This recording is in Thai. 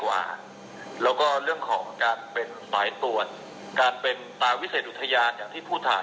ว่าเป็นพฤติกรรมที่ไม่เหมาะสมเป็นพฤติกรรมที่ไม่ควรทำ